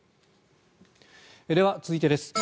では、続いてです。